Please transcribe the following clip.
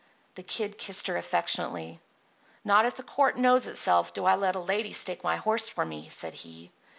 The Kid kissed her affectionately. "Not if the court knows itself do I let a lady stake my horse for me," said he.